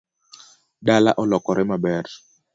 Dala olokore maber